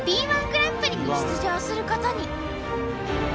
Ｂ−１グランプリに出場することに。